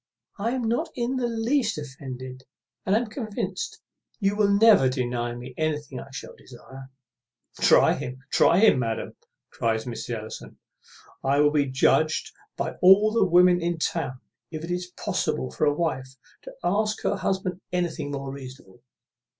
I am not in the least offended, and am convinced you will never deny me what I shall desire." "Try him, try him, madam," cries Mrs. Ellison; "I will be judged by all the women in town if it is possible for a wife to ask her husband anything more reasonable.